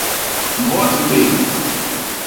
Mbot mbéñ.